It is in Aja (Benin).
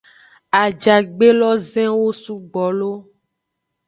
Ajagbe lozenwo sugbo lo.